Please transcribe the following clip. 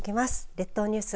列島ニュース